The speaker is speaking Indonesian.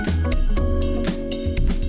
semua dikumpulkan di tengah